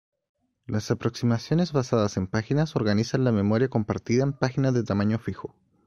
Las aproximaciones basadas en páginas organizan la memoria compartida en páginas de tamaño fijo.